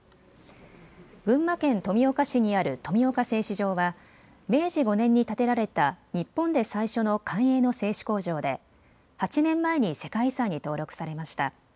群馬県富岡市にある富岡製糸場は明治５年に建てられた日本で最初の官営の製糸工場で８年前に世界遺産に登録されました。